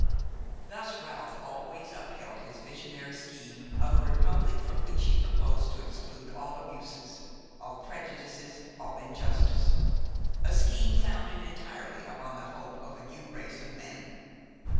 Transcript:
Thus Ralph always upheld his visionary scheme of a republic from which he proposed to exclude all abuses, all prejudices, all injustice; a scheme founded entirely upon the hope of a new race of men.